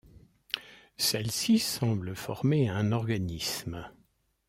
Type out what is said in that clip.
Celles-ci semblent former un organisme.